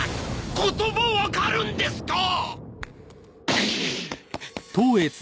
言葉分かるんですかッ